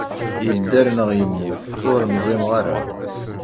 Yedder neɣ yemmet, ur nẓimeɣ ara.